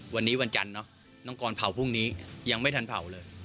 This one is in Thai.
วันนี้วันจันทร์เนอะน้องกรเผาพรุ่งนี้ยังไม่ทันเผาเลย